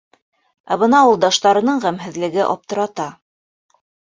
Ә бына ауылдаштарының ғәмһеҙлеге аптырата.